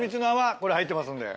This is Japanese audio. これ入ってますんで。